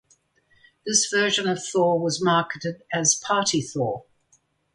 This version of Thor was marketed as "Party Thor".